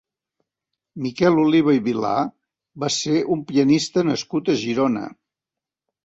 Miquel Oliva i Vilar va ser un pianista nascut a Girona.